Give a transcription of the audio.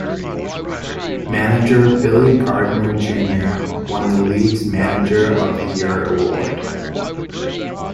Manager Billy Gardner, Junior won the league's Manager of the Year award.